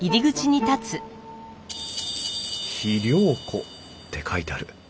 「肥料庫」って書いてある。